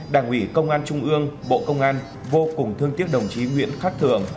đảng ủy công an trung ương bộ công an vô cùng thương tiếc đồng chí nguyễn khắc thường